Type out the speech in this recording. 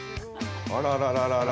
◆あらららら。